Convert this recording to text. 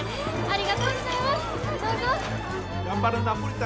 ありがとうございます。